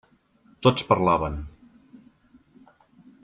Tots parlaven.